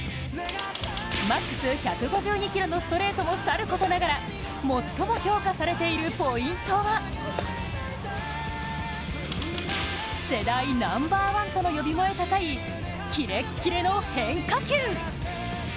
マックス１５２キロのストレートもさることながら最も評価されているポイントは世代ナンバーワンとの呼び声高いキレッキレの変化球。